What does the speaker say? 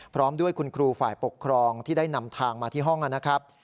พร้อมด้วยคุณครูฝ่ายปกครองที่ได้นำทางมาที่ห้องนะครับ